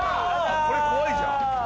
これ怖いじゃん」